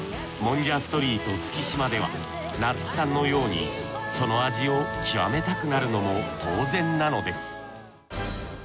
もんじゃストリート月島では夏木さんのようにその味を極めたくなるのも当然なのです